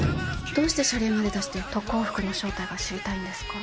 どうして謝礼まで出して特攻服の正体が知りたいんですか？